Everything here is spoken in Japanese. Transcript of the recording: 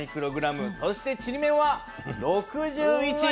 そしてちりめんは６１μｇ。